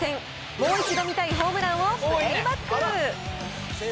もう一度見たいホームランをプレイバック。